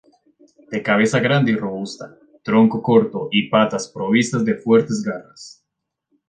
De cabeza grande y robusta, tronco corto y patas provistas de fuertes garras.